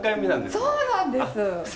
そうなんです。